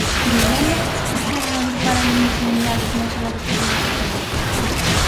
¿Problemas que supuxeran agrupar alumnos en unidades máis alá do que se viña facendo?